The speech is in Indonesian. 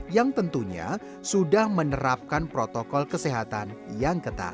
yang tentunya sudah menerapkan protokol kesehatan yang ketat